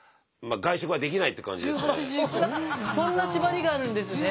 そんな縛りがあるんですね。